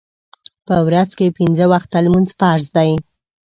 په ورځ کې پنځه وخته لمونځ فرض دی